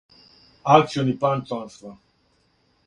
Акциони план чланства.